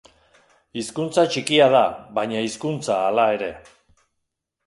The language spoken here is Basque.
Hizkuntza txikia da, baina hizkuntza hala ere.